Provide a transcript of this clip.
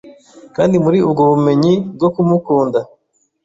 kandi muri ubwo bumenyi bwo kumukunda